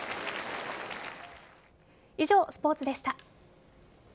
以上、スポーツでした。